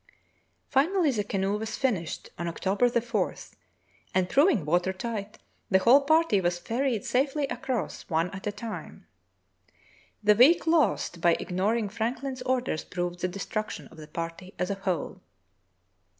" Finally the canoe was finished on October 4, and, proving water tight, the whole party was ferried safely across, one at a time. The week lost by ignoring Franklin's orders proved the destruction of the party as a whole.